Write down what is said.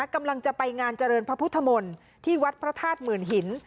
กำลังจะไปงานเจริญพระพุทธมนตร์ที่วัดพระธาตุหมื่นหิน